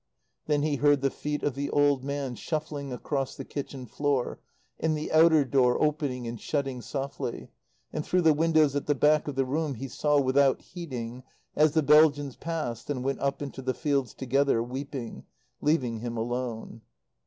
Then he heard the feet of the old man shuffling across the kitchen floor, and the outer door opening and shutting softly; and through the windows at the back of the room, he saw, without heeding, as the Belgians passed and went up into the fields together, weeping, leaving him alone.